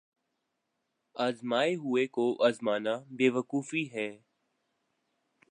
آزمائے ہوئے کو آزمانا بے وقوفی ہے۔